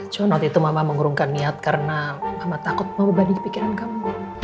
cuma waktu itu mama mengurungkan niat karena mama takut mau berbalik pikiran kamu